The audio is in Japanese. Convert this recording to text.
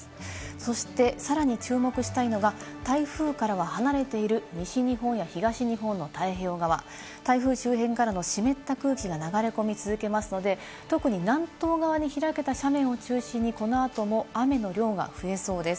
そしてさらに注目したいのが、台風からは離れている西日本や東日本の太平洋側、台風周辺からの湿った空気が流れ込み続けますので、特に南東側に開けた斜面を中心に、この後も雨の量が増えそうです。